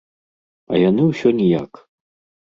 А яны ўсё ніяк.